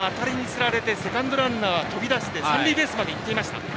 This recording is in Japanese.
今、当たりにつられてセカンドランナーは飛び出して三塁ベースまで行っていました。